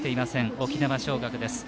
沖縄尚学です。